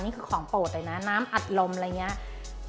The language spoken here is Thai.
นี่คือของโปรดเลยนะน้ำอัดลมอะไรอย่างนี้